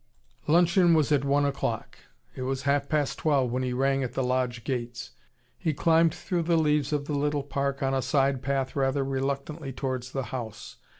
Luncheon was at one o'clock. It was half past twelve when he rang at the lodge gates. He climbed through the leaves of the little park, on a side path, rather reluctantly towards the house.